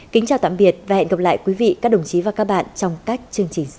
kính chào tạm biệt và hẹn gặp lại quý vị các đồng chí và các bạn trong các chương trình sau